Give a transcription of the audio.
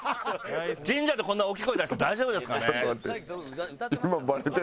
神社でこんな大きい声出して大丈夫ですかね？